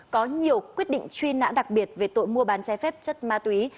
có nhiều quyết định truy nã đặc biệt về tội mua bán trái phép chất ma túy